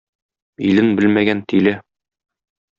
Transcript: Илен белмәгән тиле.